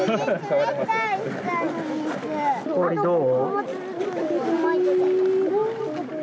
氷、どう。